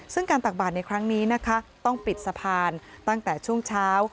ซึ่งการตักบาดในครั้งนี้นะคะต้องปิดสะพานตั้งแต่ช่วงเช้า